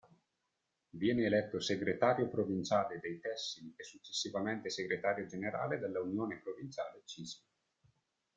Viene eletto segretario Provinciale dei tessili e successivamente segretario generale della Unione Provinciale Cisl.